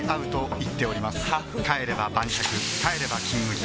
帰れば晩酌帰れば「金麦」